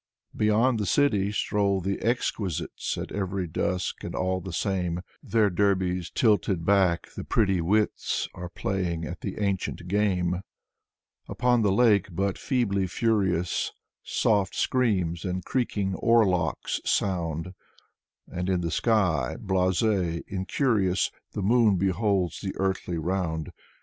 Beyond the city stroll the exquisites, At every dusk and all the same: Their derbies tilted back, the pretty wits Are playing at the ancient game. Upon the lake but feebly furious Soft screams and creaking oar locks sound. And in the sky, blase, incurious. The moon beholds the earthly round.